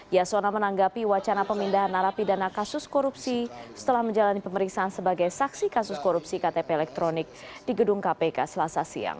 yasona menanggapi wacana pemindahan narapidana kasus korupsi setelah menjalani pemeriksaan sebagai saksi kasus korupsi ktp elektronik di gedung kpk selasa siang